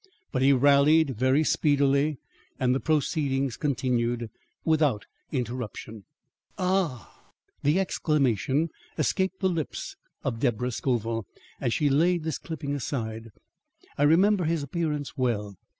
But he rallied very speedily, and the proceedings continued without interruption." "Ah!" The exclamation escaped the lips of Deborah Scoville as she laid this clipping aside. "I remember his appearance well.